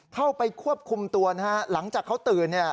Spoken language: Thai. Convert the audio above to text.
เข้าไปควบคุมตัวนะฮะหลังจากเขาตื่นเนี่ย